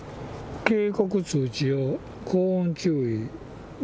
警告通知用高温注意。